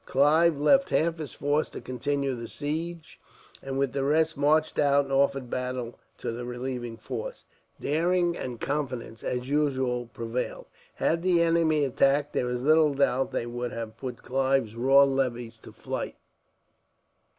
Clive left half his force to continue the siege, and with the rest marched out and offered battle to the relieving force. Daring and confidence, as usual, prevailed. Had the enemy attacked, there is little doubt they would have put Clive's raw levies to flight.